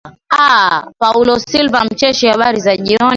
aah paulo silva mcheshi habari za jioni